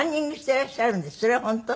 それは本当？